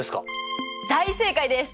大正解です。